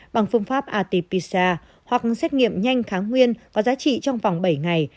bằng phương pháp atp sa hoặc xét nghiệm nhanh kháng nguyên có giá trị trong vòng bảy ngày